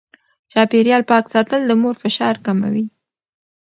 چاپېريال پاک ساتل د مور فشار کموي.